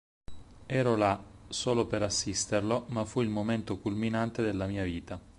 Ero là solo per assisterlo, ma fu il momento culminante della mia vita.